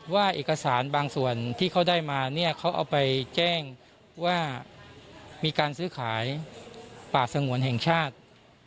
ว่าเขาได้รู้ได้มาแบบสามมีการซื้อขายป่าสงวนแห่งชาติ